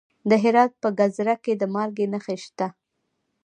د هرات په ګذره کې د مالګې نښې شته.